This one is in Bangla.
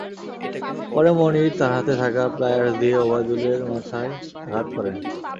পরে মনির তাঁর হাতে থাকা প্লায়ার্স দিয়ে ওবায়দুলের মাথায় আঘাত করেন।